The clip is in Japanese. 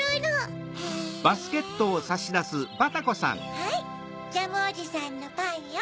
はいジャムおじさんのパンよ。